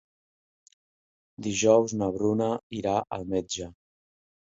Dijous na Bruna irà al metge.